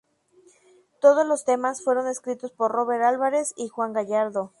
Todos los temas fueron escritos por Robert Álvarez y Juan Gallardo.